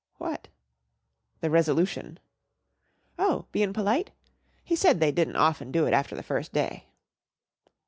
"What?" "The resolution." "Oh, bein' p'lite! He said they didn't often do it after the first day."